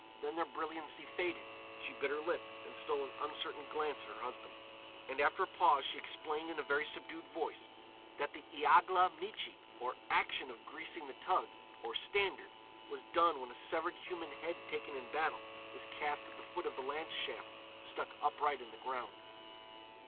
Then their brilliancy faded; she bit her lip and stole an uncertain glance at her husband. And after a pause she explained in a very subdued voice that the "Iagla michi," or action of "greasing the toug," or standard, was done when a severed human head taken in battle was cast at the foot of the lance shaft stuck upright in the ground.